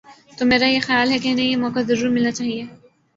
تو میرا خیال ہے کہ انہیں یہ موقع ضرور ملنا چاہیے۔